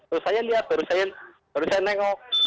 terus saya lihat baru saya nengok